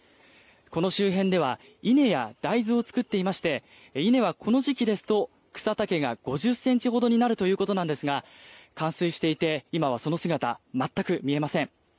この周辺では稲や大豆を作っていまして稲はこの時期ですと草丈が５０ｃｍほどになるということなんですが冠水していて今はその姿、全く見えません。